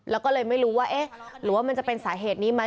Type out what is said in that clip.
แล้วก็เลยไม่รู้ว่าเอ๊ะหรือว่ามันจะเป็นสาเหตุนี้ไหม